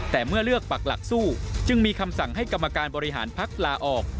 แต่เมื่อเลือกปักหลักสู้จึงมีคำสั่งให้กรรมการบริหารพักลาออก